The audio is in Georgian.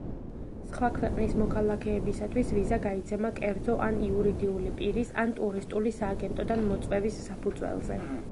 სხვა ქვეყნის მოქალაქეებისათვის, ვიზა გაიცემა კერძო ან იურიდიული პირის ან ტურისტული სააგენტოდან მოწვევის საფუძველზე.